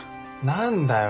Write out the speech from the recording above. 何だよ。